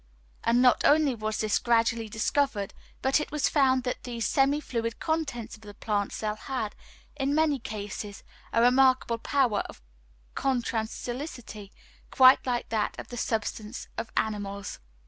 And not only was this gradually discovered, but it was found that these semifluid contents of the plant cell had, in many cases, a remarkable power of contractility quite like that of the substance of animals.